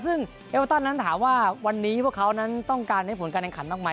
ซึ่งเอลตันนั้นถามว่าวันนี้พวกเขานั้นต้องการให้ผลการแข่งขันมากไหม